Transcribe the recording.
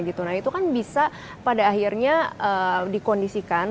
nah itu kan bisa pada akhirnya dikondisikan